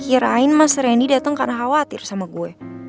kira kira mas randy dateng karena khawatir sama gue